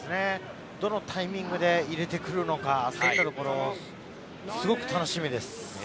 どのタイミングで入れてくるのか、すごく楽しみです。